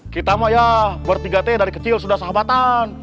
kita mah ya bertiga t dari kecil sudah sahabatan